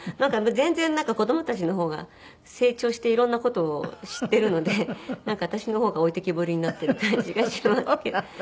全然子供たちの方が成長して色んな事を知っているので私の方が置いてけぼりになっている感じがしますけど。